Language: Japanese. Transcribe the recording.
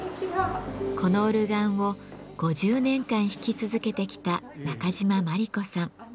このオルガンを５０年間弾き続けてきた中島萬里子さん。